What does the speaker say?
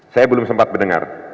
saya belum sempat mendengar